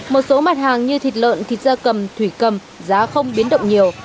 một số mặt hàng như thịt lợn thịt da cầm thủy cầm giá không biến động nhiều